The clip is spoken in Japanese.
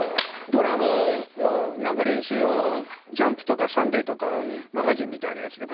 ドラムの練習を『ジャンプ』とか『サンデー』とか『マガジン』みたいなやつで。